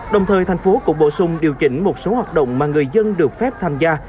đồng thời thành phố cũng bổ sung điều chỉnh một số hoạt động mà người dân được phép tham gia